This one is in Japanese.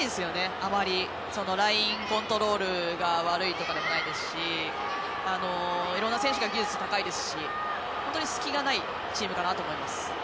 あまりラインコントロールが悪いとかでないですしいろんな選手が技術高いですし隙がないチームだと思います。